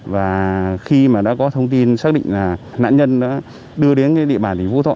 và khi mà đã có thông tin xác định là nạn nhân đã đưa đến địa bàn tỉnh phú thọ